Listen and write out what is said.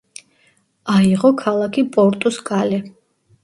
აიღო ქალაქი პორტუს კალე.